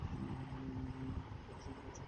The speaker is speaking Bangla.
আমার কথা শুনতে পাচ্ছ?